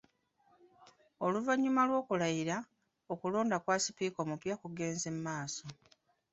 Oluvannyuma lw’okulayira, okulonda kwa Sipiika omupya kugenze maaso.